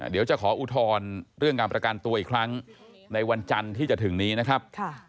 เดี๋ยวจะขออุทธรณ์เรื่องการประกันตัวอีกครั้งในวันจันทร์ที่จะถึงนี้นะครับ